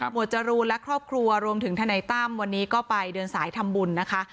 จรูนและครอบครัวรวมถึงทนายตั้มวันนี้ก็ไปเดินสายทำบุญนะคะ